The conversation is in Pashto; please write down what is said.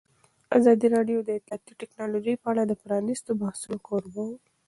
ازادي راډیو د اطلاعاتی تکنالوژي په اړه د پرانیستو بحثونو کوربه وه.